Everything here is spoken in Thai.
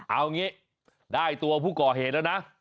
เอางี้ได้ตัวผู้ก่อเหตุแล้วนะ